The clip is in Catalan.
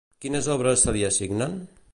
Quines obres se li assignen?